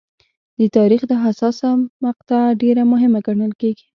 د تاریخ دا حساسه مقطعه ډېره مهمه ګڼل کېږي.